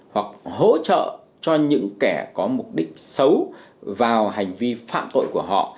hoặc hỗ trợ cho những kẻ có mục đích xấu vào hành vi phạm tội của họ